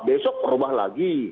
besok berubah lagi